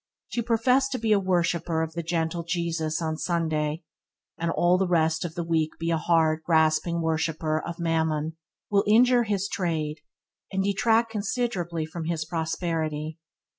To profess to be a worshipper of the gentle Jesus on Sunday, and all the rest of the wee be a hard, grasping worshipper of mammon, will injure his trade, and detract considerably from his prosperity.